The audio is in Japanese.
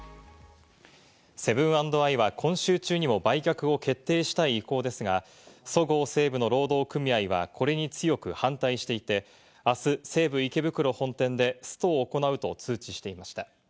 セブン＆アイは今週中にも売却を決定したい意向ですが、そごう・西武の労働組合は、これに強く反対していて、あす西武池袋本店でストを行うと通知していました。